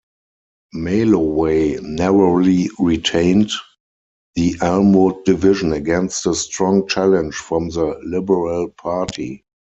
Maloway narrowly retained the Elmwood division against a strong challenge from the Liberal Party.